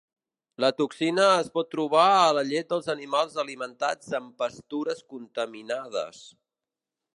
La toxina es pot trobar a la llet dels animals alimentats amb pastures contaminades.